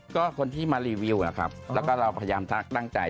ก็คนที่มารีวิวนะครับแล้วก็เราพยายามทักตั้งใจ